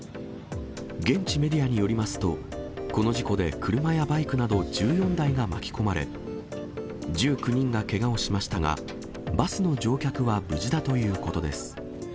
現地メディアによりますと、この事故で車やバイクなど１４台が巻き込まれ、１９人がけがをしましたが、バスの乗客は無事だということです。